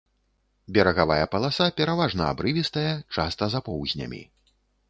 Берагавая паласа пераважна абрывістая, часта з апоўзнямі.